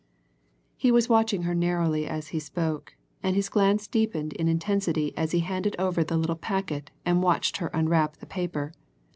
He was watching her narrowly as he spoke, and his glance deepened in intensity as he handed over the little packet and watched her unwrap the paper.